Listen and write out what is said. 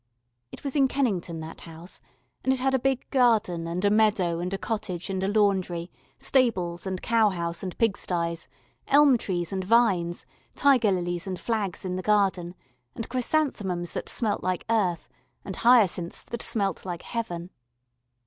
It was in Kennington, that house and it had a big garden and a meadow and a cottage and a laundry, stables and cow house and pig styes, elm trees and vines, tiger lilies and flags in the garden, and chrysanthemums that smelt like earth and hyacinths that smelt like heaven.